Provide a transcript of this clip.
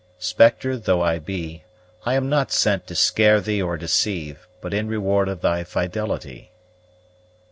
Spectre though I be, I am not sent to scare thee or deceive; But in reward of thy fidelity.